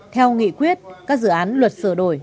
theo nghị quyết các dự án luật sửa đổi